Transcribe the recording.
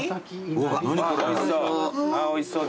うわおいしそう。